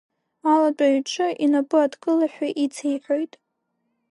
Алатәаҩ иҿы инапы адкылашәа ицеиҳәоит.